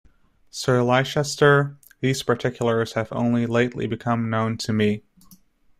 Sir Leicester, these particulars have only lately become known to me.